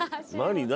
何？